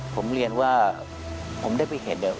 ผมเรียนว่าผมได้ไปเห็น